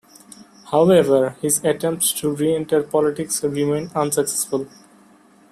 However, his attempts to re-enter politics remained unsuccessful.